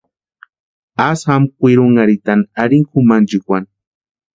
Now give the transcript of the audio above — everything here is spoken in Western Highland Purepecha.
Asï jama kwirunharhitani arini kʼumanchikwani.